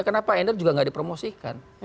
kenapa ender juga nggak dipromosikan